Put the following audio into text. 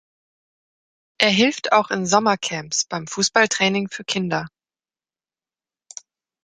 Er hilft auch in Sommercamps beim Fußballtraining für Kinder.